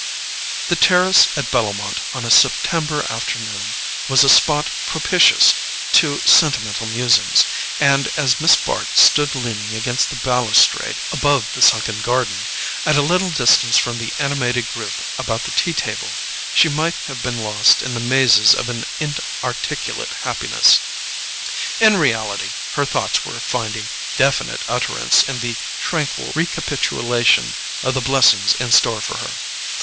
The terrace at Bellomont on a September afternoon was a spot propitious to sentimental musings, and as Miss Bart stood leaning against the balustrade above the sunken garden, at a little distance from the animated group about the tea table, she might have been lost in the mazes of an inarticulate happiness. In reality, her thoughts were finding definite utterance in the tranquil recapitulation of the blessings in store for her.